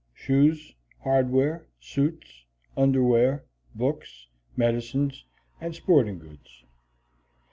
_ Shoes, hardware, suits, underwear, books, medicines, and sporting goods.